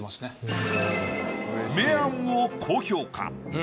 明暗を高評価。